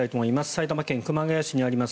埼玉県熊谷市にあります